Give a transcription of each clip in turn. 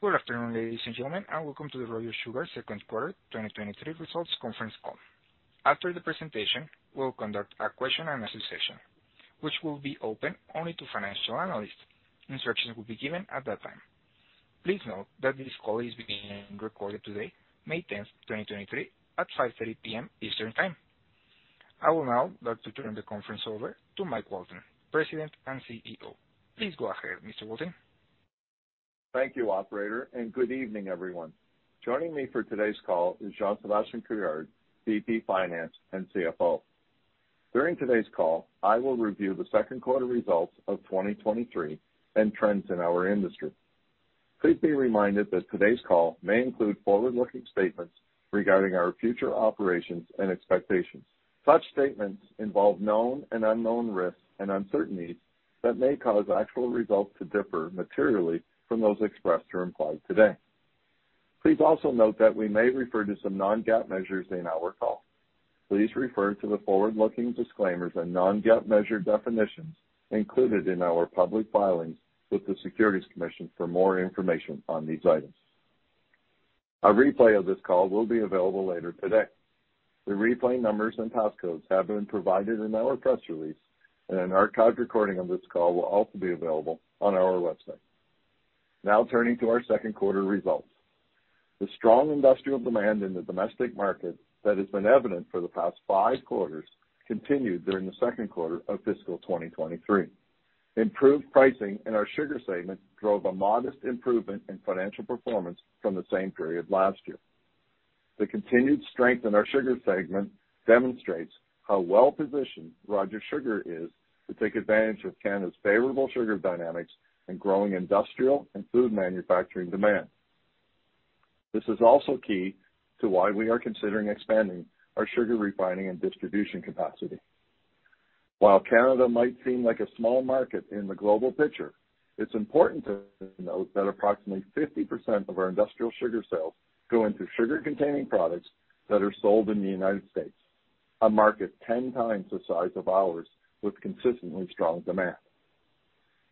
Good afternoon, ladies and gentlemen. Welcome to the Rogers Sugar second quarter 2023 results conference call. After the presentation, we'll conduct a question-and-answer session which will be open only to financial analysts. Instructions will be given at that time. Please note that this call is being recorded today, May 10th, 2023 at 5:30 P.M. Eastern Time. I will now like to turn the conference over to Mike Walton, President and CEO. Please go ahead, Mr. Walton. Thank you, operator, good evening, everyone. Joining me for today's call is Jean-Sébastien Couillard, VP Finance and CFO. During today's call, I will review the second quarter results of 2023 and trends in our industry. Please be reminded that today's call may include forward-looking statements regarding our future operations and expectations. Such statements involve known and unknown risks and uncertainties that may cause actual results to differ materially from those expressed or implied today. Please also note that we may refer to some non-GAAP measures in our call. Please refer to the forward-looking disclaimers and non-GAAP measure definitions included in our public filings with the Securities Commission for more information on these items. A replay of this call will be available later today. The replay numbers and passcodes have been provided in our press release, and an archived recording of this call will also be available on our website. Now turning to our second quarter results. The strong industrial demand in the domestic market that has been evident for the past five quarters continued during the second quarter of fiscal 2023. Improved pricing in our sugar segment drove a modest improvement in financial performance from the same period last year. The continued strength in our sugar segment demonstrates how well-positioned Rogers Sugar is to take advantage of Canada's favorable sugar dynamics and growing industrial and food manufacturing demand. This is also key to why we are considering expanding our sugar refining and distribution capacity. While Canada might seem like a small market in the global picture, it's important to note that approximately 50% of our industrial sugar sales go into sugar-containing products that are sold in the United States, a market ten times the size of ours with consistently strong demand.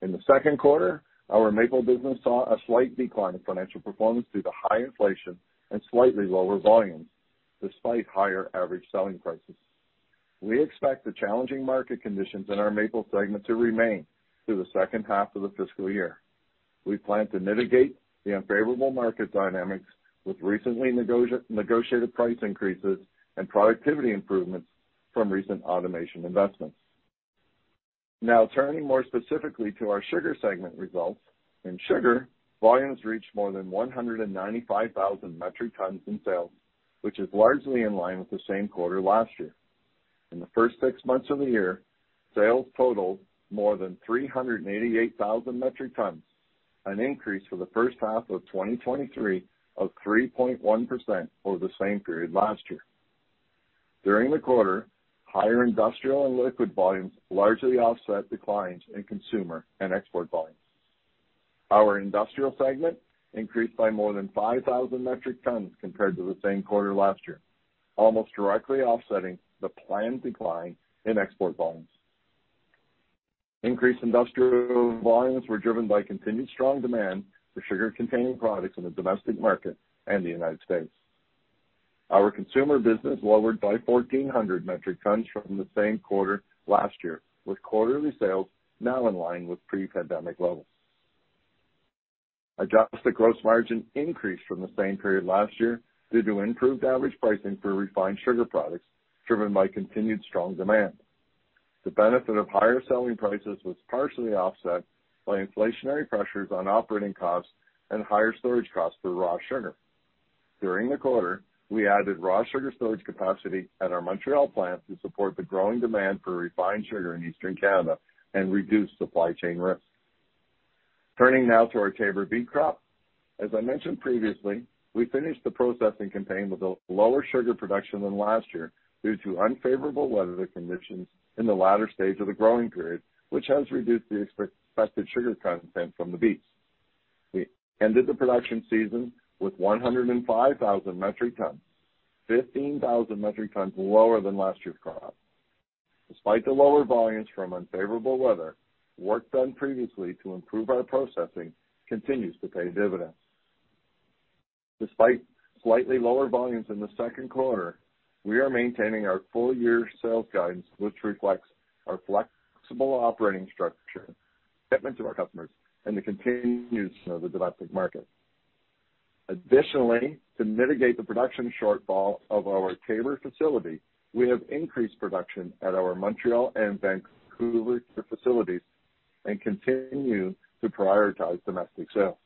In the second quarter, our maple business saw a slight decline in financial performance due to high inflation and slightly lower volumes despite higher average selling prices. We expect the challenging market conditions in our maple segment to remain through the second half of the fiscal year. We plan to mitigate the unfavorable market dynamics with recently negotiated price increases and productivity improvements from recent automation investments. Turning more specifically to our sugar segment results. In sugar, volumes reached more than 195,000 metric tons in sales, which is largely in line with the same quarter last year. In the first six months of the year, sales totaled more than 388,000 metric tons, an increase for the first half of 2023 of 3.1% over the same period last year. During the quarter, higher industrial and liquid volumes largely offset declines in consumer and export volumes. Our industrial segment increased by more than 5,000 metric tons compared to the same quarter last year, almost directly offsetting the planned decline in export volumes. Increased industrial volumes were driven by continued strong demand for sugar-containing products in the domestic market and the United States. Our consumer business lowered by 1,400 metric tons from the same quarter last year, with quarterly sales now in line with pre-pandemic levels. Adjusted gross margin increased from the same period last year due to improved average pricing for refined sugar products driven by continued strong demand. The benefit of higher selling prices was partially offset by inflationary pressures on operating costs and higher storage costs for raw sugar. During the quarter, we added raw sugar storage capacity at our Montreal plant to support the growing demand for refined sugar in Eastern Canada and reduce supply chain risk. Now to our Taber beet crop. I mentioned previously, we finished the processing campaign with a lower sugar production than last year due to unfavorable weather conditions in the latter stage of the growing period, which has reduced the expected sugar content from the beets. We ended the production season with 105,000 metric tons, 15,000 metric tons lower than last year's crop. Despite the lower volumes from unfavorable weather, work done previously to improve our processing continues to pay dividends. Despite slightly lower volumes in the second quarter, we are maintaining our full-year sales guidance, which reflects our flexible operating structure, commitment to our customers, and the continued use of the domestic market. Additionally, to mitigate the production shortfall of our Taber facility, we have increased production at our Montreal and Vancouver facilities and continue to prioritize domestic sales.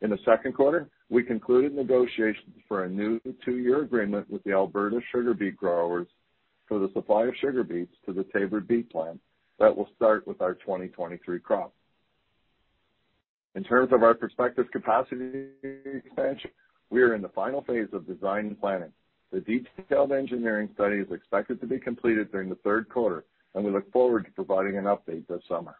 In the second quarter, we concluded negotiations for a new two-year agreement with the Alberta Sugar Beet Growers for the supply of sugar beets to the Taber beet plant that will start with our 2023 crop. In terms of our prospective capacity expansion, we are in the final phase of design and planning. The detailed engineering study is expected to be completed during the third quarter, and we look forward to providing an update this summer.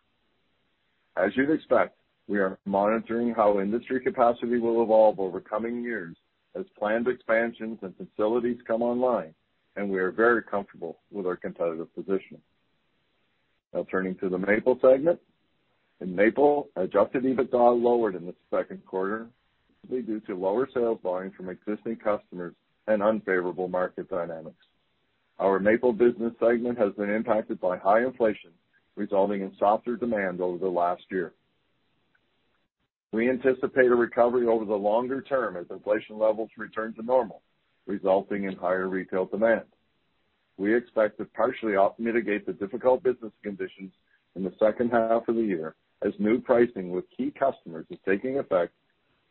As you'd expect, we are monitoring how industry capacity will evolve over coming years as planned expansions and facilities come online, and we are very comfortable with our competitive position. Now turning to the maple segment. In maple, adjusted EBITDA lowered in the second quarter, mainly due to lower sales volume from existing customers and unfavorable market dynamics. Our maple business segment has been impacted by high inflation, resulting in softer demand over the last year. We anticipate a recovery over the longer term as inflation levels return to normal, resulting in higher retail demand. We expect to partially mitigate the difficult business conditions in the second half of the year as new pricing with key customers is taking effect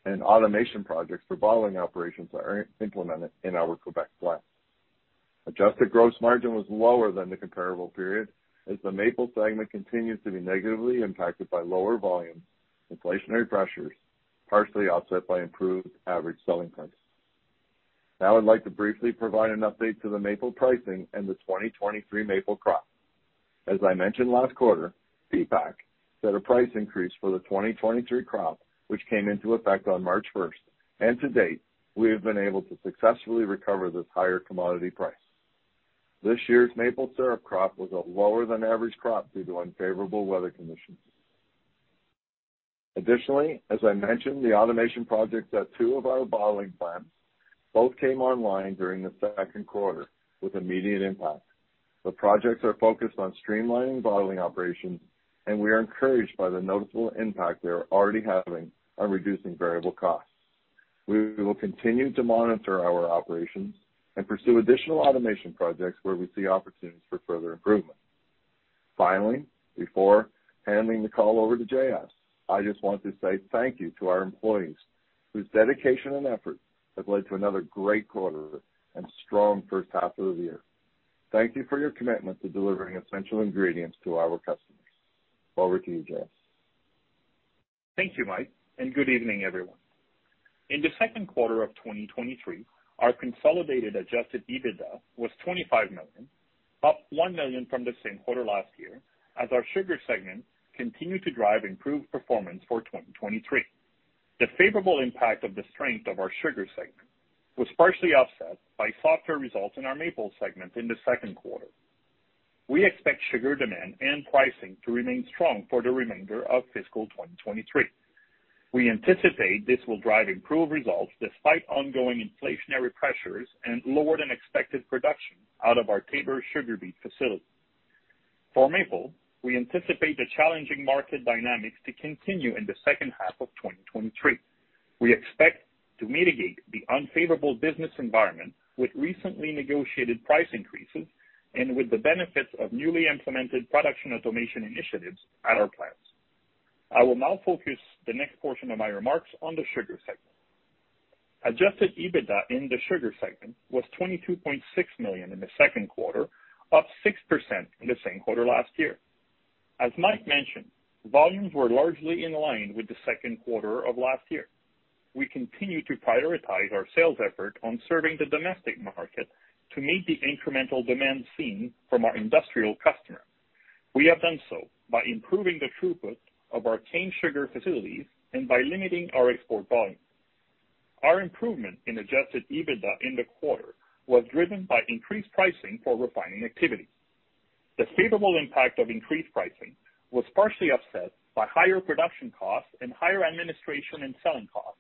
and automation projects for bottling operations are implemented in our Quebec plant. Adjusted gross margin was lower than the comparable period as the maple segment continues to be negatively impacted by lower volume, inflationary pressures, partially offset by improved average selling price. Now I'd like to briefly provide an update to the maple pricing and the 2023 maple crop. As I mentioned last quarter, PPAQ set a price increase for the 2023 crop, which came into effect on March 1st. To date, we have been able to successfully recover this higher commodity price. This year's maple syrup crop was a lower than average crop due to unfavorable weather conditions. Additionally, as I mentioned, the automation projects at two of our bottling plants both came online during the second quarter with immediate impact. The projects are focused on streamlining bottling operations, and we are encouraged by the noticeable impact they are already having on reducing variable costs. We will continue to monitor our operations and pursue additional automation projects where we see opportunities for further improvement. Finally, before handing the call over to J.S., I just want to say thank you to our employees whose dedication and effort have led to another great quarter and strong first half of the year. Thank you for your commitment to delivering essential ingredients to our customers. Over to you, J.S. Thank you, Mike, good evening, everyone. In the second quarter of 2023, our consolidated adjusted EBITDA was 25 million, up 1 million from the same quarter last year as our sugar segment continued to drive improved performance for 2023. The favorable impact of the strength of our sugar segment was partially offset by softer results in our maple segment in the second quarter. We expect sugar demand and pricing to remain strong for the remainder of fiscal 2023. We anticipate this will drive improved results despite ongoing inflationary pressures and lower than expected production out of our Taber sugar beet facility. For maple, we anticipate the challenging market dynamics to continue in the second half of 2023. We expect to mitigate the unfavorable business environment with recently negotiated price increases and with the benefits of newly implemented production automation initiatives at our plants. I will now focus the next portion of my remarks on the sugar segment. Adjusted EBITDA in the sugar segment was 22.6 million in the second quarter, up 6% in the same quarter last year. As Mike mentioned, volumes were largely in line with the second quarter of last year. We continue to prioritize our sales effort on serving the domestic market to meet the incremental demand seen from our industrial customers. We have done so by improving the throughput of our cane sugar facilities and by limiting our export volume. Our improvement in adjusted EBITDA in the quarter was driven by increased pricing for refining activities. The favorable impact of increased pricing was partially offset by higher production costs and higher administration and selling costs.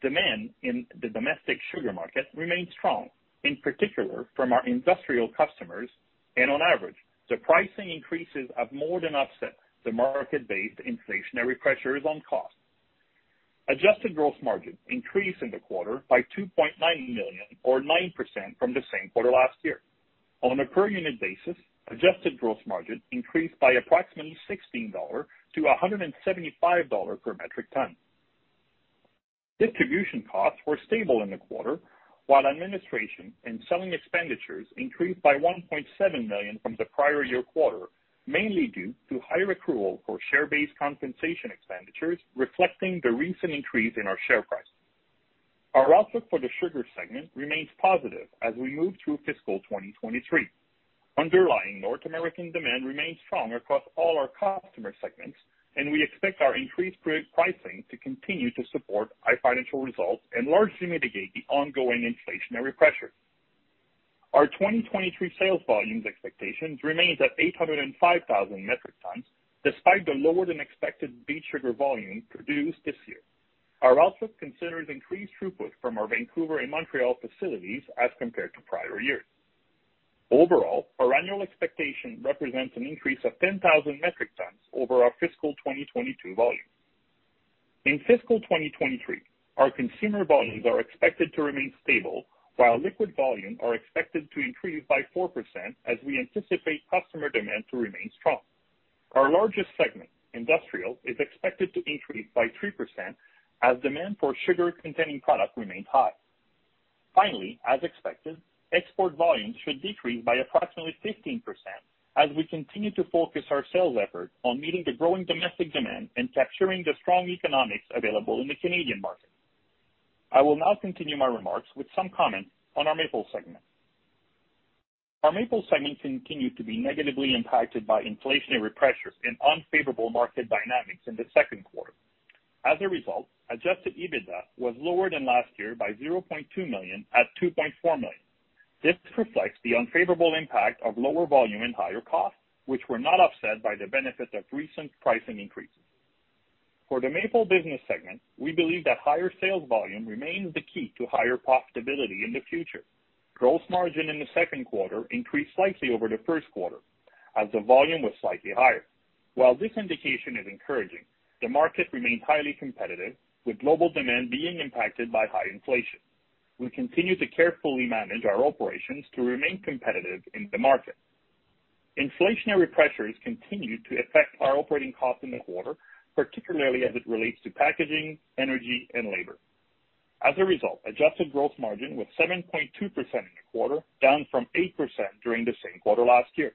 Demand in the domestic sugar market remained strong, in particular from our industrial customers. On average, the pricing increases have more than offset the market-based inflationary pressures on costs. Adjusted gross margin increased in the quarter by $2.9 million or 9% from the same quarter last year. On a per unit basis, adjusted gross margin increased by approximately $16 to $175 per metric ton. Distribution costs were stable in the quarter, while administration and selling expenditures increased by $1.7 million from the prior year quarter, mainly due to higher accrual for share-based compensation expenditures, reflecting the recent increase in our share price. Our outlook for the sugar segment remains positive as we move through fiscal 2023. Underlying North American demand remains strong across all our customer segments, and we expect our increased pricing to continue to support high financial results and largely mitigate the ongoing inflationary pressure. Our 2023 sales volumes expectations remains at 805,000 metric tons, despite the lower than expected beet sugar volume produced this year. Our outlook considers increased throughput from our Vancouver and Montreal facilities as compared to prior years. Overall, our annual expectation represents an increase of 10,000 metric tons over our fiscal 2022 volume. In fiscal 2023, our consumer volumes are expected to remain stable, while liquid volume are expected to increase by 4% as we anticipate customer demand to remain strong. Our largest segment, industrial, is expected to increase by 3% as demand for sugar-containing products remains high. Finally, as expected, export volumes should decrease by approximately 15% as we continue to focus our sales effort on meeting the growing domestic demand and capturing the strong economics available in the Canadian market. I will now continue my remarks with some comments on our maple segment. Our maple segment continued to be negatively impacted by inflationary pressures and unfavorable market dynamics in the second quarter. As a result, adjusted EBITDA was lower than last year by 0.2 million at 2.4 million. This reflects the unfavorable impact of lower volume and higher costs, which were not offset by the benefits of recent pricing increases. For the maple business segment, we believe that higher sales volume remains the key to higher profitability in the future. Gross margin in the second quarter increased slightly over the first quarter as the volume was slightly higher. While this indication is encouraging, the market remains highly competitive, with global demand being impacted by high inflation. We continue to carefully manage our operations to remain competitive in the market. Inflationary pressures continued to affect our operating costs in the quarter, particularly as it relates to packaging, energy, and labor. As a result, adjusted gross margin was 7.2% in the quarter, down from 8% during the same quarter last year.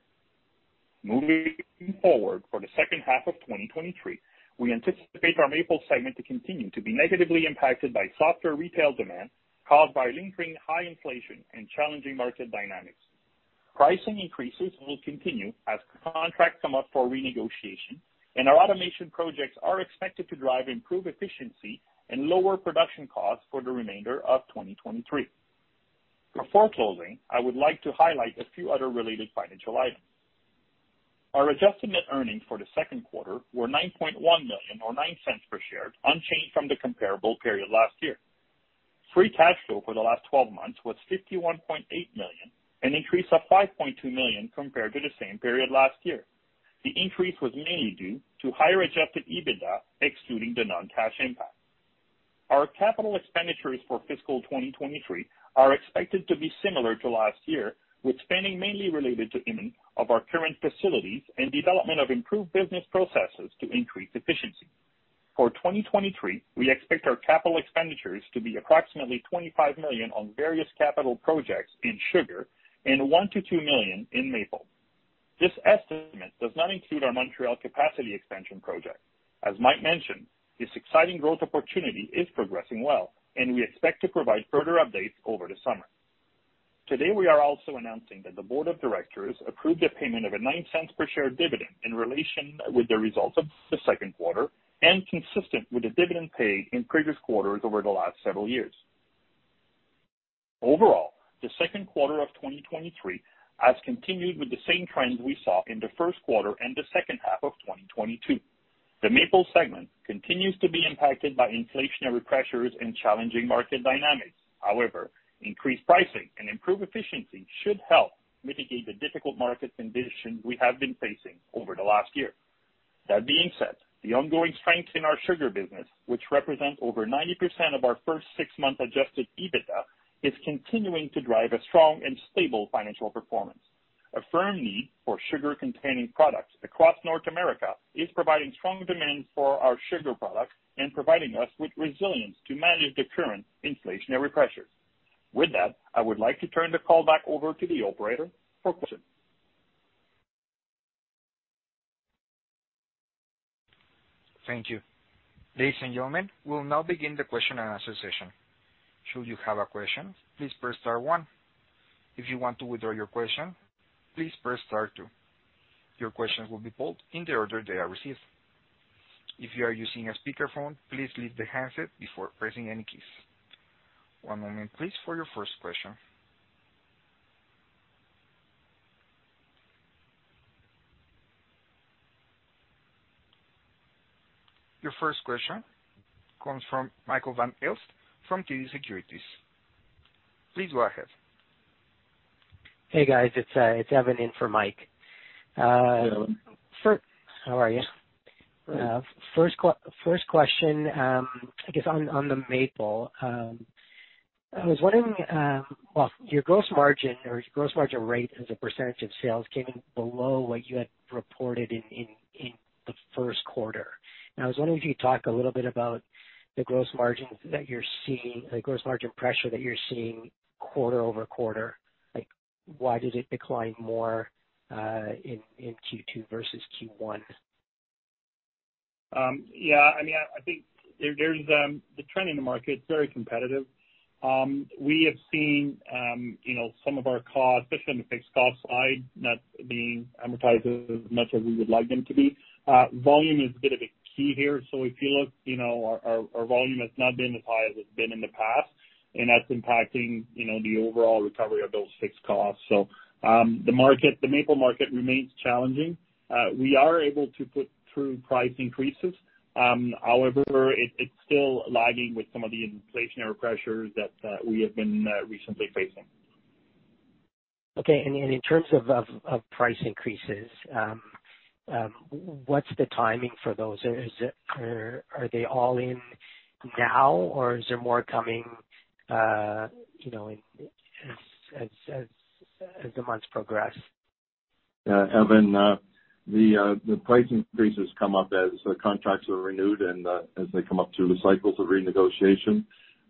Moving forward for the second half of 2023, we anticipate our maple segment to continue to be negatively impacted by softer retail demand caused by lingering high inflation and challenging market dynamics. Pricing increases will continue as contracts come up for renegotiation, and our automation projects are expected to drive improved efficiency and lower production costs for the remainder of 2023. Before closing, I would like to highlight a few other related financial items. Our adjusted net earnings for the second quarter were 9.1 million or 0.09 per share, unchanged from the comparable period last year. Free cash flow for the last 12 months was 51.8 million, an increase of 5.2 million compared to the same period last year. The increase was mainly due to higher adjusted EBITDA, excluding the non-cash impact. Our capital expenditures for fiscal 2023 are expected to be similar to last year, with spending mainly related to our current facilities and development of improved business processes to increase efficiency. For 2023, we expect our capital expenditures to be approximately 25 million on various capital projects in sugar and 1 to 2 million in maple. This estimate does not include our Montreal capacity expansion project. As Mike mentioned, this exciting growth opportunity is progressing well, and we expect to provide further updates over the summer. Today, we are also announcing that the board of directors approved the payment of a 0.09 per share dividend in relation with the results of the second quarter and consistent with the dividend paid in previous quarters over the last several years. Overall, the second quarter of 2023 has continued with the same trends we saw in the first quarter and the second half of 2022. The maple segment continues to be impacted by inflationary pressures and challenging market dynamics. Increased pricing and improved efficiency should help mitigate the difficult market conditions we have been facing over the last year. That being said, the ongoing strength in our sugar business, which represents over 90% of our first six-month adjusted EBITDA, is continuing to drive a strong and stable financial performance. A firm need for sugar-containing products across North America is providing strong demand for our sugar products and providing us with resilience to manage the current inflationary pressures. With that, I would like to turn the call back over to the operator for questions. Thank you. Ladies and gentlemen, we'll now begin the question-and-answer session. Should you have a question, please press star one. If you want to withdraw your question, please press star two. Your questions will be pulled in the order they are received. If you are using a speakerphone, please leave the handset before pressing any keys. One moment please for your first question. Your first question comes from Michael Van Aelst from TD Securities. Please go ahead. Hey, guys. It's Evan in for Mike. Hello. How are you? Good. First question, I guess on the maple. Well, your gross margin or your gross margin rate as a percentage of sales came in below what you had reported in the first quarter. I was wondering if you could talk a little bit about the gross margins that you're seeing, the gross margin pressure that you're seeing quarter-over-quarter. Like why does it decline more in Q2 versus Q1? Yeah, I mean, I think there's the trend in the market is very competitive. We have seen, you know, some of our costs, especially on the fixed cost side, not being amortized as much as we would like them to be. Volume is a bit of a key here. If you look, you know, our volume has not been as high as it's been in the past, and that's impacting, you know, the overall recovery of those fixed costs. The market, the maple market remains challenging. We are able to put through price increases. It's still lagging with some of the inflationary pressures that we have been recently facing. Okay. In terms of price increases, what's the timing for those? Are they all in now, or is there more coming, you know, as the months progress? Evan, the price increases come up as the contracts are renewed and as they come up to the cycles of renegotiation.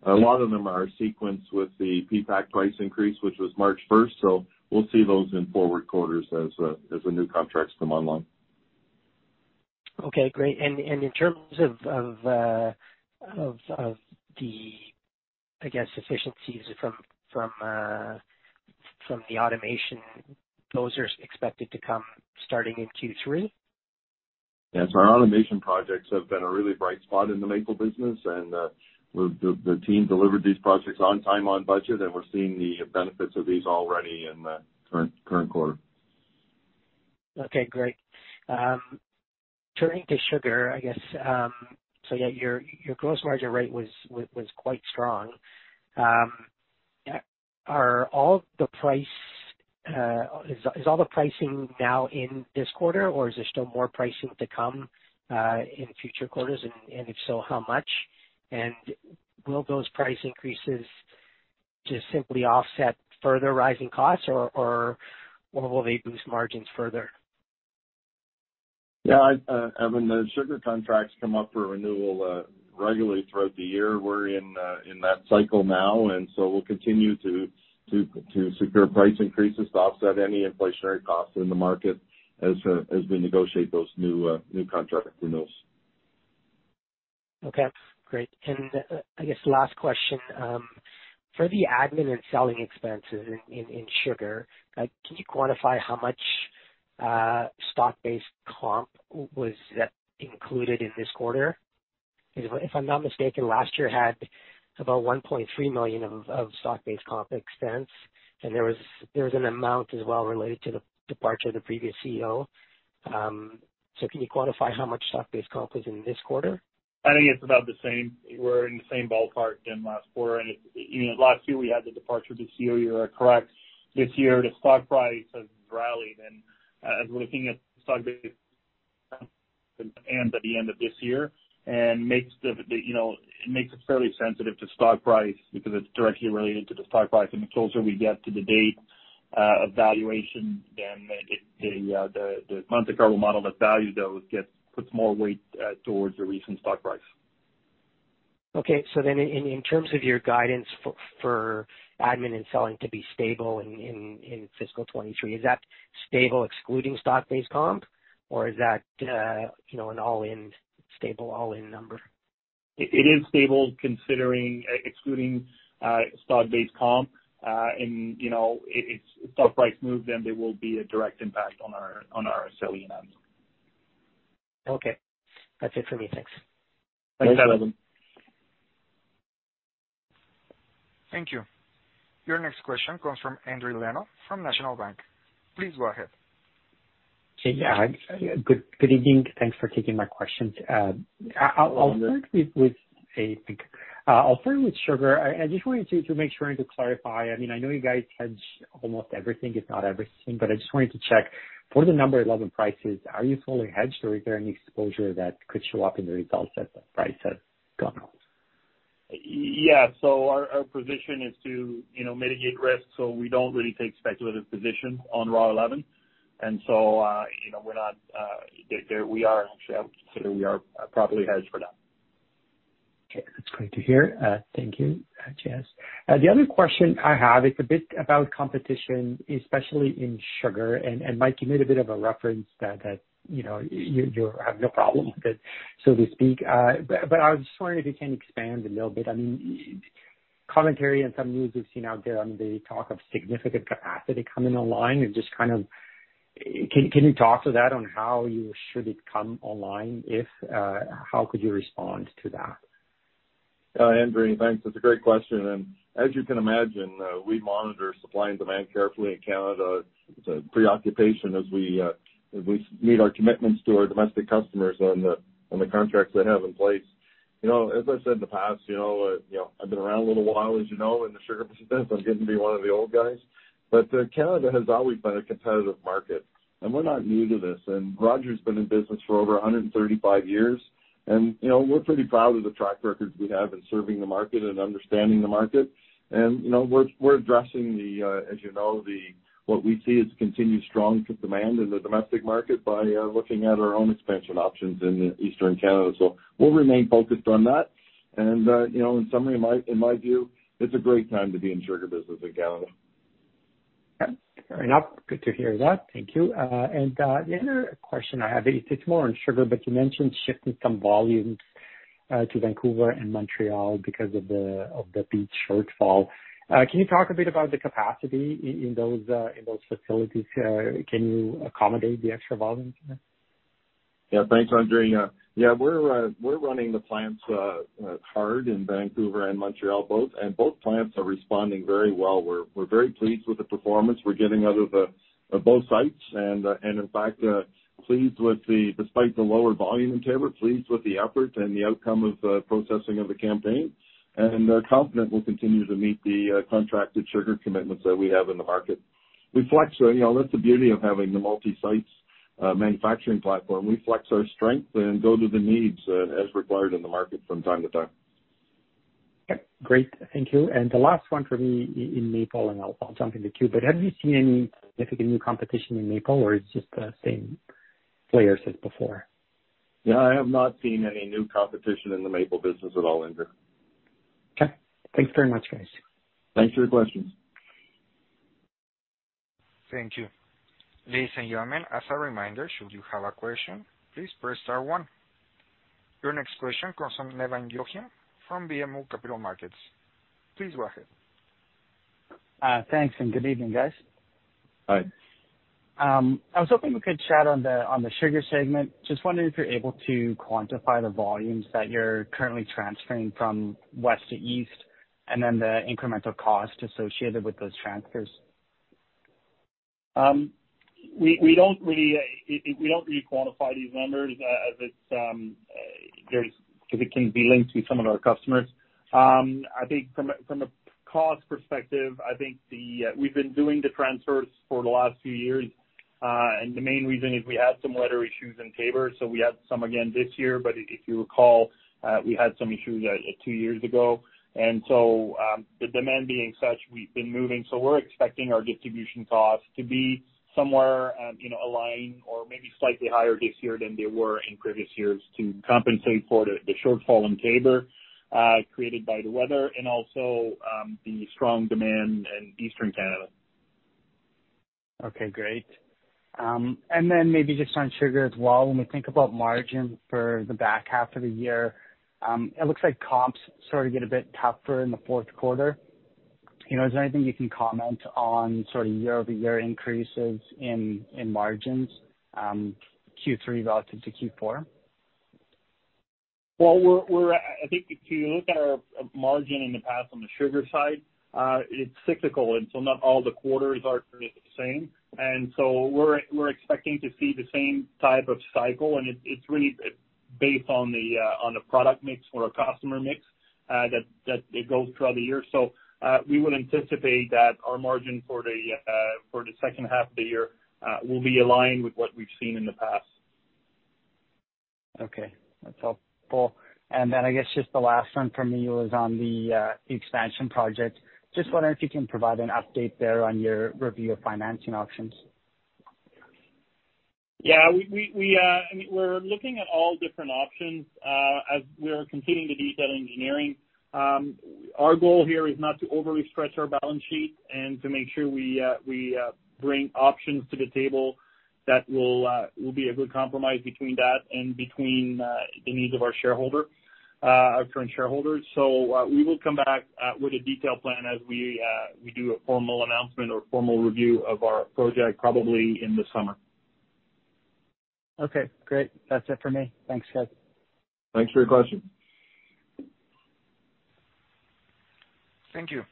A lot of them are sequenced with the PPAQ price increase, which was March first. We'll see those in forward quarters as the new contracts come online. Okay, great. In terms of the I guess efficiencies from the automation, those are expected to come starting in Q3. Yes. Our automation projects have been a really bright spot in the maple business, and the team delivered these projects on time, on budget, and we're seeing the benefits of these already in the current quarter. Okay, great. Turning to sugar, I guess, Yeah, your gross margin rate was quite strong. Is all the pricing now in this quarter, or is there still more pricing to come in future quarters? If so, how much? Will those price increases just simply offset further rising costs or will they boost margins further? Yeah. Evan, the sugar contracts come up for renewal regularly throughout the year. We're in that cycle now, and so we'll continue to secure price increases to offset any inflationary costs in the market as we negotiate those new contract renewals. Okay, great. I guess last question. For the admin and selling expenses in sugar, can you quantify how much stock-based comp was included in this quarter? If I'm not mistaken, last year had about 1.3 million stock-based comp expense, and there was an amount as well related to the departure of the previous CEO. Can you quantify how much stock-based comp is in this quarter? I think it's about the same. We're in the same ballpark than last quarter. you know, last year we had the departure of the CEO, you are correct. This year the stock price has rallied. as we're looking at stock-based at the end of this year and makes, you know, it makes us fairly sensitive to stock price because it's directly related to the stock price. the closer we get to the date of valuation, then the Monte Carlo model that values those gets, puts more weight towards the recent stock price. In terms of your guidance for admin and selling to be stable in fiscal 2023, is that stable excluding stock-based comp or is that, you know, an all-in stable number? It is stable considering excluding stock-based comp. You know, if stock price moves, then there will be a direct impact on our selling admin. Okay. That's it for me. Thanks. Thanks, Evan. Thank you. Your next question comes from Endri Leno from National Bank. Please go ahead. Good evening. Thanks for taking my questions. I'll start with sugar. I just wanted to make sure and to clarify. I mean, I know you guys hedge almost everything, if not everything, but I just wanted to check for the No. 11 prices, are you fully hedged or is there any exposure that could show up in the results as the price has gone up? Yeah. Our position is to, you know, mitigate risk, so we don't really take speculative positions on raw No. 11. You know, we're not there, we are actually, I would consider we are properly hedged for that. Okay. That's great to hear. Thank you, J.S. The other question I have is a bit about competition, especially in sugar. Mike, you made a bit of a reference that, you know, you have no problem with it, so to speak. I was just wondering if you can expand a little bit. I mean, commentary and some news we've seen out there on the talk of significant capacity coming online and just kind of. Can you talk to that on how you should it come online? If, how could you respond to that? Endri, thanks. That's a great question. As you can imagine, we monitor supply and demand carefully in Canada. It's a preoccupation as we meet our commitments to our domestic customers on the contracts they have in place. You know, as I said in the past, you know, I've been around a little while, as you know, in the sugar business. I'm getting to be one of the old guys. Canada has always been a competitive market, and we're not new to this. Rogers been in business for over 135 years. You know, we're pretty proud of the track record we have in serving the market and understanding the market. You know, we're addressing the, as you know, the, what we see as continued strong demand in the domestic market by looking at our own expansion options in Eastern Canada. We'll remain focused on that. You know, in summary, in my view, it's a great time to be in sugar business in Canada. Yeah. Fair enough. Good to hear that. Thank you. The other question I have is it's more on sugar, but you mentioned shifting some volumes to Vancouver and Montreal because of the beet shortfall. Can you talk a bit about the capacity in those, in those facilities? Can you accommodate the extra volume? Yeah. Thanks, Endri. Yeah, we're running the plants, hard in Vancouver and Montreal both, and both plants are responding very well. We're very pleased with the performance we're getting out of both sites and in fact, pleased with the, despite the lower volume in Taber, pleased with the effort and the outcome of the processing of the campaign and are confident we'll continue to meet the contracted sugar commitments that we have in the market. We flex, you know, that's the beauty of having the multi-sites, manufacturing platform. We flex our strength and go to the needs, as required in the market from time to time. Okay, great. Thank you. The last one for me in maple, and I'll jump in the queue. Have you seen any significant new competition in maple or it's just the same players as before? I have not seen any new competition in the maple business at all, Endri. Okay. Thanks very much, guys. Thanks for your questions. Thank you. Ladies and gentlemen, as a reminder, should you have a question, please press star one. Your next question comes from Nevan Yochim from BMO Capital Markets. Please go ahead. Thanks, and good evening, guys. Hi. I was hoping we could chat on the sugar segment. Just wondering if you're able to quantify the volumes that you're currently transferring from west to east and then the incremental cost associated with those transfers? We don't really quantify these numbers, as it's, if it can be linked to some of our customers. I think from a cost perspective, we've been doing the transfers for the last few years, and the main reason is we had some weather issues in Taber. We had some again this year, but if you recall, we had some issues two years ago. The demand being such, we've been moving. We're expecting our distribution costs to be somewhere, you know, aligned or maybe slightly higher this year than they were in previous years to compensate for the shortfall in Taber, created by the weather and also, the strong demand in Eastern Canada. Okay, great. Maybe just on sugar as well. When we think about margin for the back half of the year, it looks like comps sort of get a bit tougher in the fourth quarter. You know, is there anything you can comment on sort of year-over-year increases in margins, Q3 relative to Q4? Well, we're, I think if you look at our margin in the past on the sugar side, it's cyclical, not all the quarters are the same. We're expecting to see the same type of cycle, and it's really based on the product mix or our customer mix that it goes throughout the year. We would anticipate that our margin for the second half of the year will be aligned with what we've seen in the past. Okay. That's helpful. Then I guess just the last one for me was on the expansion project. Just wondering if you can provide an update there on your review of financing options. Yeah. We, I mean, we're looking at all different options, as we are continuing the detail engineering. Our goal here is not to overly stretch our balance sheet and to make sure we bring options to the table that will be a good compromise between that and between the needs of our shareholder, our current shareholders. We will come back with a detailed plan as we do a formal announcement or formal review of our project probably in the summer. Okay, great. That's it for me. Thanks, guys. Thanks for your question. Thank you.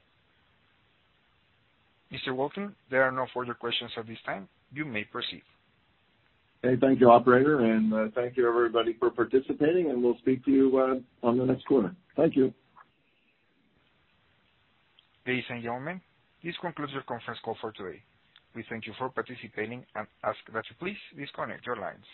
Mr. Walton, there are no further questions at this time. You may proceed. Okay. Thank you, operator. Thank you, everybody for participating, and we'll speak to you, on the next quarter. Thank you. Ladies and gentlemen, this concludes your conference call for today. We thank you for participating and ask that you please disconnect your lines.